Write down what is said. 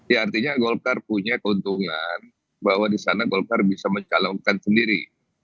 ya artinya golkar punya keuntungan bahwa di sana golkar bisa mencalonkan sendiri